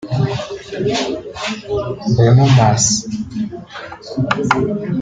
Bruno Mars